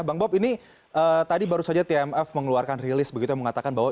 bang bob ini tadi baru saja tmf mengeluarkan rilis begitu yang mengatakan bahwa